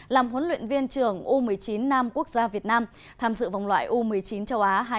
làm huấn luyện viên trưởng u một mươi chín nam quốc gia việt nam tham dự vòng loại u một mươi chín châu á hai nghìn hai mươi